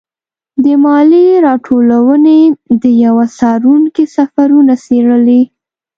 د مالیې راټولونې د یوه څارونکي سفرونه څېړلي.